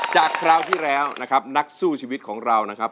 คราวที่แล้วนะครับนักสู้ชีวิตของเรานะครับ